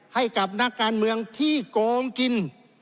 ให้กับนักการเมืองที่โกงกิน